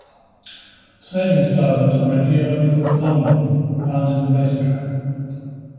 The sailing stones are a geological phenomenon found in the Racetrack.